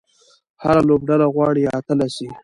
هره لوبډله غواړي اتله سي.